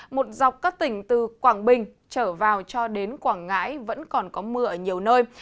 một dọc các tỉnh từ quảng bình trở vào cho đến quảng ngãi vẫn còn có mưa ở nhiều nơi